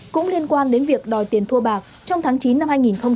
cũng liên quan đến việc đòi tiền thua bạc trong tháng chín năm hai nghìn hai mươi